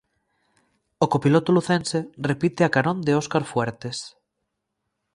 O copiloto lucense repite a carón de Óscar Fuertes.